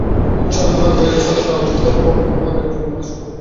ঝর্ণার বয়ে চলা, অর্থাত্ তার প্রবহমানতাও একজন মানুষকে কৌতূহলী করে তুলতে পারে।